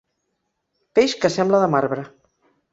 Peix que sembla de marbre.